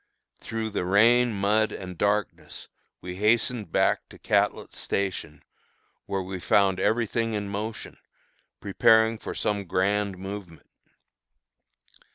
Through the rain, mud, and darkness we hastened back to Catlett's Station, where we found every thing in motion, preparing for some grand movement.